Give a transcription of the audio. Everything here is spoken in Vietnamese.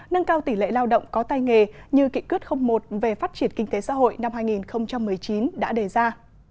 nâng cao tỷ lệ lao động có tay nghề như kỵ cướp một về phát triển kinh tế xã hội năm hai nghìn một mươi chín đã đề ra